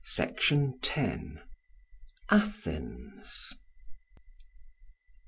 Section 10. Athens.